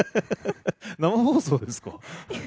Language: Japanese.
生放送ですか？